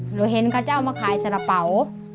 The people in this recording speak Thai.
เห็นกัตเจ้ามาขายสัตว์กล้าเปา